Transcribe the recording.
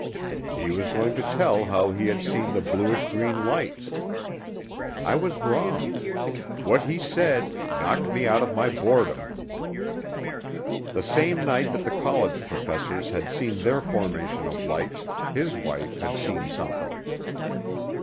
He was going to tell how he had seen the bluish green lights. I was wrong; what he said knocked me out of my boredom. The same night that the college professors had seen their formation of lights his wife had seen something.